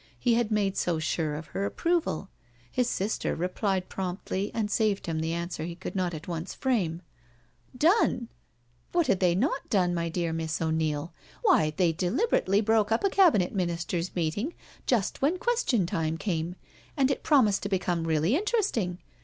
He had made so sure of her approval. His sister replied promptly, and $aved him the answer he could pot at oncQ frame, BRACKEN HILL HALL 51 Done I What had they not done, my dear Miss 0*Neil? Why they deliberately broke up a Cabinet Minister's meeting just when question time came, and it promised to become really interesting.